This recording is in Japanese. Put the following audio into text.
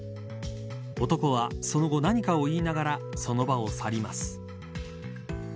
男はその後、何かを言いながらその場を去ります。